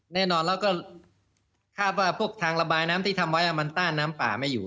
แน่นอนแล้วก็คาดว่าพวกทางระบายน้ำที่ทำไว้มันต้านน้ำป่าไม่อยู่